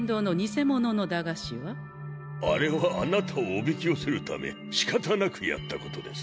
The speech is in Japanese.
あれはあなたをおびき寄せるためしかたなくやったことです。